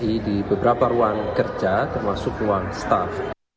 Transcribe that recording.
kemudian menggabungkan keuangan kerja termasuk uang staf